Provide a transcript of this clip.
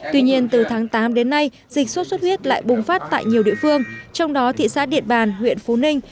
tuy nhiên từ tháng tám đến nay dịch sốt xuất huyết lại bùng phát tại nhiều địa phương trong đó thị xã điện bàn huyện phú ninh